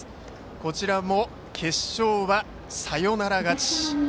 こちらも決勝はサヨナラ勝ち。